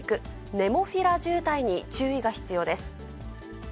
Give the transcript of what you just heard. ネモフィラ渋滞に注意が必要です。